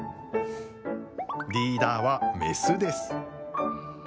リーダーは雌です。